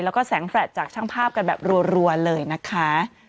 แล้วก็แสงแลตจากช่างภาพกันแบบรัวเลยนะคะ